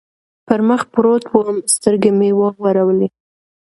پر مخ پروت ووم، سترګې مې و غړولې.